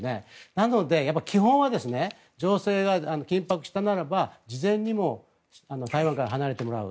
なので、基本は情勢が緊迫したならば事前に台湾から離れてもらう。